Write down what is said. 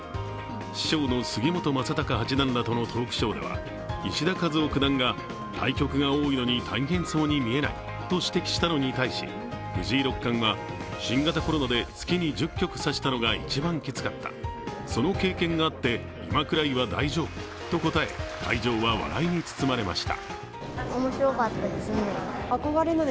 師匠の杉本昌隆八段らとのトークショーでは石田和雄九段が対局が多いのに対し大変そうに見えないと指摘したのに対し藤井六冠は、新型コロナで月に１０局指したのが一番きつかったその経験があって、今くらいは大丈夫と答え、会場は笑いに包まれました。